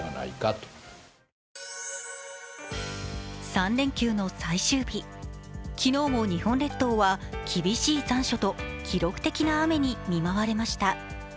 ３連休の最終日、昨日も日本列島は厳しい残暑と記録的な雨に見舞われました。